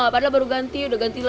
padahal baru ganti